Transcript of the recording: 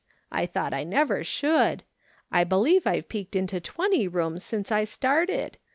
I thought I never should. I believe I've peeked into twenty rooms since I started.